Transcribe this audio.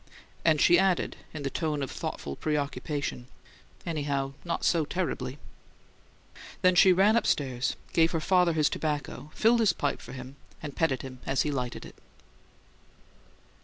And she added, in the tone of thoughtful preoccupation: "Anyhow not so terribly!" Then she ran upstairs, gave her father his tobacco, filled his pipe for him, and petted him as he lighted it.